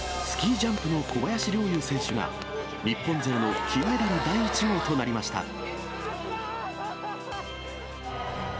スキージャンプの小林陵侑選手が、日本勢の金メダル第１号となりました。